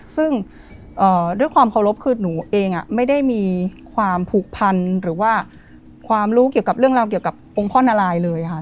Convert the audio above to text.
ซึ่งด้วยความเคารพคือหนูเองไม่ได้มีความผูกพันหรือว่าความรู้เกี่ยวกับเรื่องราวเกี่ยวกับองค์พ่อนารายเลยค่ะ